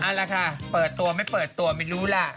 เอาละค่ะเปิดตัวไม่เปิดตัวไม่รู้ล่ะ